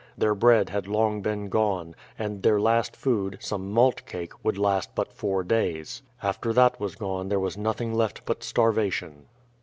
Their bread had long been gone, and their last food, some malt cake, would last but four days. After that was gone there was nothing left but starvation.